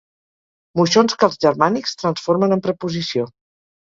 Moixons que els germànics transformen en preposició.